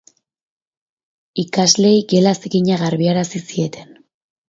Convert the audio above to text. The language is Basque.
Ikasleei gela zikina garbiarazi zieten.